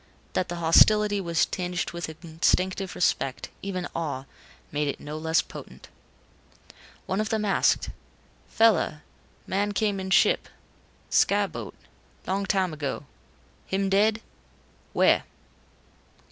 That the hostility was tinged with instinctive respect, even awe, made it no less potent. One of them asked, "Fella man came in ship sky boat long time ago. Him dead? Where?"